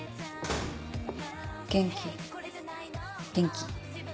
元気元気？